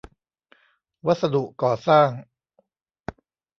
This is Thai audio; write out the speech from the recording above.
วัสดุก่อสร้าง